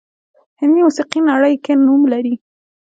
هندي موسیقي نړۍ کې نوم لري